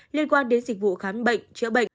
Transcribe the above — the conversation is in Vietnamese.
liên quan đến dịch vụ khám bệnh chữa bệnh